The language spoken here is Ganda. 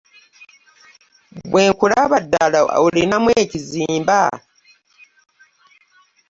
Bwe nkulaba ddala olinamu ekinzimba?